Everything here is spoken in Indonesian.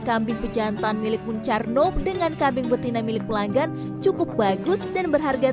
kambing pejantan milik muncarno dengan kambing betina milik pelanggan cukup bagus dan berharga